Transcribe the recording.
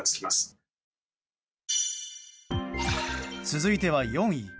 続いては４位。